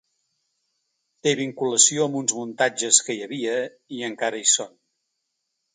Té vinculació amb uns muntatges que hi havia, i encara hi són.